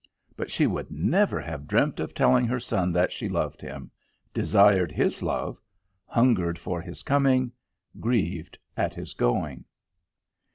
But she would never have dreamt of telling her son that she loved him, desired his love, hungered for his coming, grieved at his going.